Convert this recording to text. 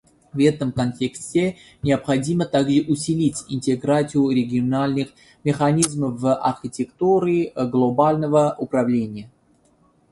В этом контексте необходимо также усилить интеграцию региональных механизмов в архитектуру глобального управления.